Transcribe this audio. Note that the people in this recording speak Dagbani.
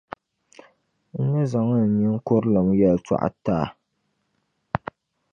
N ni zaŋ n ninkurilim yɛtɔɣa ti a.